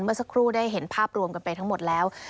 เมื่อสักครู่ได้เห็นภาพรวมกันไปทั้งหมดแล้ว